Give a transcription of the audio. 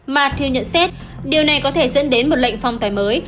mathieu nhận xét điều này có thể dẫn đến một lệnh phong tài mới